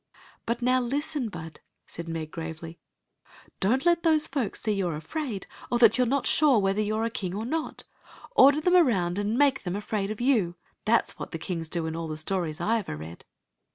"But now listen, Bud," said Meg, gravely; "don't you let these folks see you 're afraid, or that you 're not sure whether you *re a king or not Order them Stoiy the Magic Cloak around and make them afraid of you. That s what the kings do in all the stories I ever read."